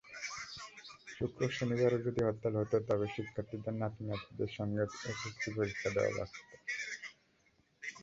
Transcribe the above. শুক্র–শনিবারও যদি হরতাল হতো, তবে শিক্ষার্থীদের নাতি-নাতনিদের সঙ্গে এসএসসি পরীক্ষা দেওয়া লাগত।